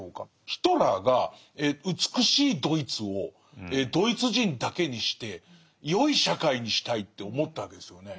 ヒトラーが美しいドイツをドイツ人だけにしてよい社会にしたいって思ったわけですよね。